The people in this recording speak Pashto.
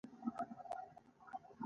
د "پ" حرف دریم حرف دی.